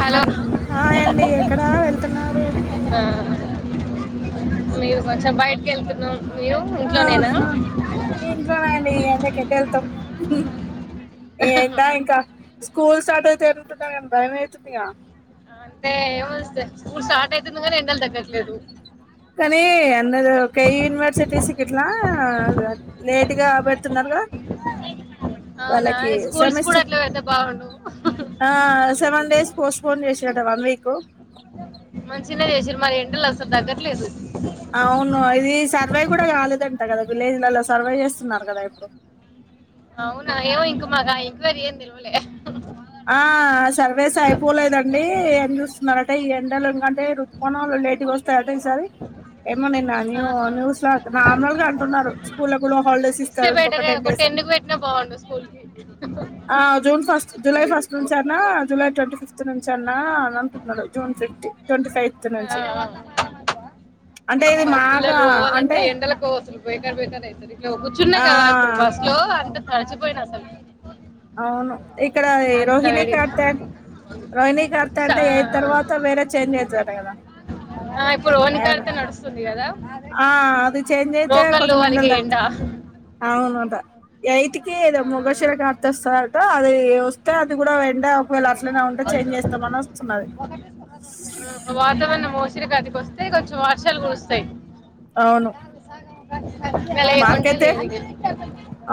Hello hi అండి ఎక్కడా వెళ్తున్నారు ఆ మేము కొంచెం బయటకెళ్తున్నాం. మీరూ ఇంట్లోనేనా ఆహా ఏందో ఇంకా స్కూల్ స్టార్ట్ ఐతే ఎటుంటడ్ కాని భయమైతుందిగా అంతే మస్త్ స్కూల్ స్టార్ట్ అయితుంది గాని ఎండల్ దగ్ కానీ అందరు ఒక యూనివర్సిటీస్కిట్లా లేటుగా పెడుతున్నారుగా అవునా వాళ్ళకి స్కూల్స్ కూడా సెమిస్టర్ అట్లే పెడితే బాగుండు ఆ సెవెన్ డేస్ పోస్ట్ పోన్ చేసిరటా వన్ వీకు మంచిగనే చేసిరు మరి ఎండలు అసలు తగ్గట్లేదు అవును అది సర్వే కూడా కాలేదంట కదా విలేజ్లలో సర్వే చేస్తున్నారు కదా ఇప్పుడు అవునా ఏమో ఇంక మాకు ఆ ఎంక్వైరీ ఏం తెలవలే ఆ సర్వేస్ అయిపోలేదండి ఏం చూస్తున్నారు అంటే ఈ ఎండలు ఇంగ రుతుపవనాలు లేట్గా వస్తాయ్ అట ఈసారి ఏమో నిన్న న్యూ ఆహా. న్యూస్లో నార్మల్ గా అంటున్నారు స్కూల్ లో కూడా హాలిడేస్ ఇస్తారు ఇంకొక టెన్ డేస్ టెన్ అని. కి పెట్టిన బాగుండు స్కూల్ కి ఆ జూన్ ఫస్ట్ జూలై ఫస్ట్ నుంచి అనా జూలై ట్వంటీ ఫిఫ్త్ నుంచి అన్న ఆ అని అంటున్నారు జూన్ ఫిఫ్త్ ట్వంటీ ఫైవ్త్ నుంచి అంటే ఇది మాగా పిల్లలు పోవాలంటే అంటే ఎండలకస్సలు బేకారు బేకారు అయితులు కూర్చున్నా ఆ కదా ఇప్పుడు బస్సు లో అంత తడిచిపోయినా అస్సలు అవును ఇక్కడ రోహిణి కార్తే రోహిణీ కార్తె సా- అంటే ఎయిట్ తర్వాత వేరే చేంజ్ అయితడట కదా ఆ ఇప్పుడు రోహిణి అదే కార్తే నడుస్తుంది కదా ఆ అది చేేంజ్ అయితే రోకళ్ళు కొంచెం వాళ్ళకి ఎండల్ ఎండ తగుతయ్ ఆ, అవునటా ఎయిట్ కి ఏదో ఆ, మృగశిర కార్తె వస్తాదట అది వస్తే అది కూడా ఎండ వేళ అట్లనే ఉంటే చేంజ్ చేస్తామని వస్తున్నది మృగశిరకార్తె కి వస్తె కొంచెం వర్షాలు కురుస్తయ్ అవును ఇంకా లేకుంటే మాకైతే లేదు ఇక.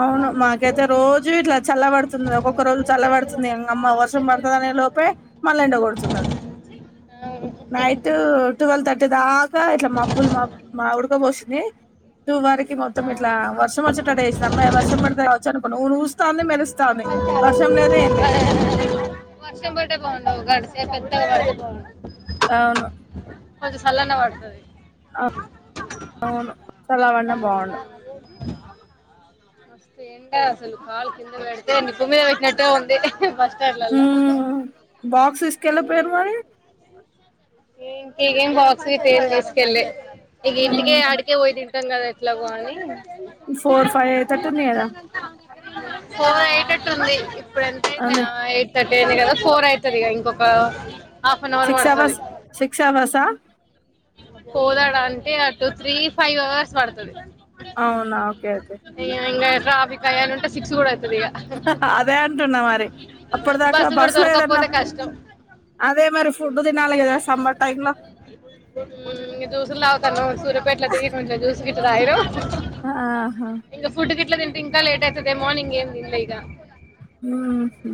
అవును మాకైతే రోజు ఇట్లా చల్ల పడుతుంది ఒక్కొక్క రోజు చల్లబడుతుంది హమ్మ వర్షం పడతదనే లోపే మళ్ళీ ఎండగొడుతున్నది [unintelligible] నైట్ ట్వెల్వ్ థర్టీ దాకా ఇట్లా మబ్బులు మబ్బులు మా ఉడకపోసింది టూ వర్కి మొత్తం ఇట్లా వర్షం వచ్చేటటూ చేస్తే హమ్మయ్య వర్షం పడతది కావచ్చు అనుకున్న ఊరుస్తాంది మెరుస్తాంది వర్షం లేదు ఏం లేదు ఎ పెద్దగా పడితే బాగుండు అవును కొంచెం సళ్ళన్న పడతది అవును సళ్ళ బడిన బాగుండు మస్త ఎండ అసలు కాళ్ళు కింద పేడితే నిపు మీద పెటినట్టే ఉంది బస్టాండ్లలో మ్మ్ బాక్స్ తీసుకెళ్ళపోయారు మరి ఇంకిగేం బాక్స్ గిట్ల ఏం తిస్కెలలే ఇగ ఇంటికెగా ఆడికే పోయి తిన్ టమ్ కదా ఎట్లాగో అని ఫోర్ ఫైవ్ అయేతట్టు ఉంది కదా ఫోర్ అయేటట్టు ఉంది ఇప్పుడు ఎంత అయింది అదే ఆ ఎయిట్ థర్టీ కదా ఫోర్ అయితది ఇగ ఇంకొక హాఫ్ అన్ అవర్ సిక్స్ పడతది అవర్స్ సిక్స్ అవర్సా కోదాడ అంటే ఆ టూ త్రీ ఫైవ్ అవర్స్ పడతది అవునా ఓకే ఓకే ఇంగా ట్రాఫిక్ అయ్యంట సిక్స్ అవుతుంది ఇక అదే అంటున్నా మరి అప్పుటి దాకా కూడా బస్సు ఏదన్నా దొరకకపోతే కష్టం అదే మరి ఫుడ్ తినాలే కదా సమ్మర్ టైంల ఉమ్ జూసులు తాగుతన్నము సూర్యపేట్ల దిగి కొంచెం జూస్ గిట్ట తాగినం ఆహా ఇంకా ఫుడ్ గట్ల తింటే ఇంకా లేట్ అయిత ఏమో అని మార్నింగ్ ఏం తిన్లే ఇగ ఉహూ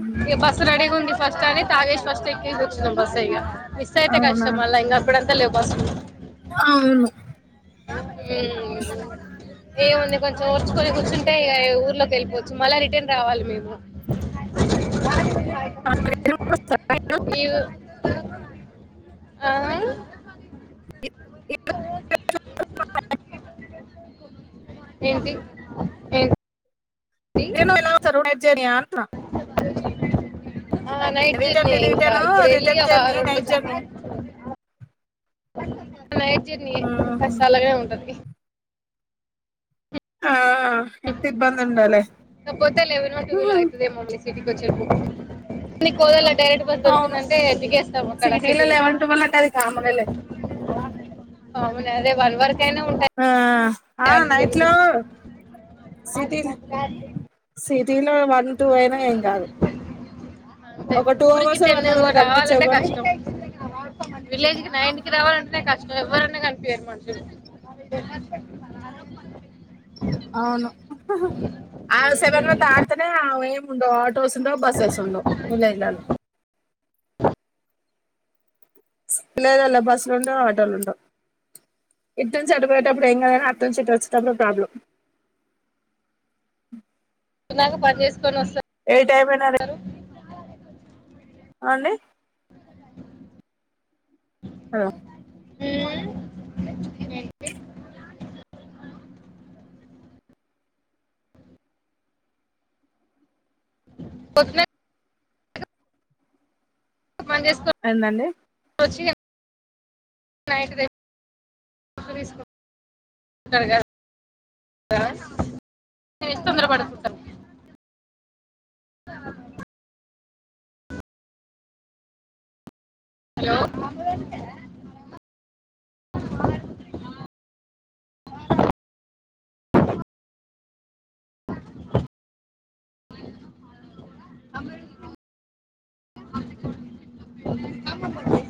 ఉంది ఫస్ట్ అని తాగేసి ఫస్ట్ ఎక్కి కూర్చున్నము బస్సు ఇగ మిస్ అయితే కష్టం మల్ల ఇంగా ఎప్పుడంతా లేవు బస్సు ఉమ్ ఏముంది కొంచెం కూకని కూర్చుంటే ఊర్లోకి వెళ్ళిపోవచ్చు మళ్ళా రిటర్న్ రావాలి మేము నేను కూడా సరే. ఇవ ఆ ఇ అ ఏంటి ఏది నేను ఎలా సరు జర్నీ అని [unintelligible] ఆ నైట్ రిటర్న్ జర్నీ ఇంకా రిటర్న్ ఇప్పుడు వెళ్లి రిటర్న్ ఆ జర్నీ రెండు నైట్ జర్నీ నైట్ జర్నీ ఏ సల్లగానే ఉంటది ఆ ఎంత ఇబ్బంది ఉండాలి కా పోతే లేవన్ వరకు అవుతుదేమోమ్ సిటీకి వచ్చేప్పు మళ్ళీ డైరెక్ట్ బస్ అవును దొరికిందంటే దిగేస్తాము అక్కడ సిటీలో లెవెన్ ట్వెల్వ్ అంటే అది కామనే లే అవును అదే వన్ వరకయినా ఉంటాయి ఆ ఆ అన్నీ నైట్ లో సిటీ సిటీలో వన్ టూ అయినా ఏం కాదు అంతే ఒక టూ ఊరికి అవర్స్ టెన్ వన్ అవర్ కనిపించవు రావాలంటే కాని కష్టం విలేజ్ కి నైన్ కి రావాలంటే కష్టం ఎవ్వరన్నా కనిపియారు మనుషులు అవును ఆ సెవన్ ఉహుం. దాటుతనే ఏము ఉండవు ఆటోసుండవు బస్సెస్ ఉండవు డాన్ల బస్లు ఉండవు ఆటోలు ఉండవు ఇటు నుంచి అటు పోయేటప్పుడు ఏం కాదు గాని అట్నుంచి ఇటు వచ్చేటప్పుడు ప్రాబ్లం న్నాక పని చేసుకొని వస్తారు ఏ టైం అయినా అదే అండి ఆ ఉమ్. పట్నా పనిచేసుకొని ఏందండి రోజుకి ఎంత తీసుకుంటారు కదా తొందరపడి ఆ హలో అమ